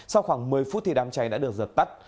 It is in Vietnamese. sau khoảng một mươi phút đám cháy đã được giật tắt